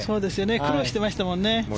苦労してましたもんね。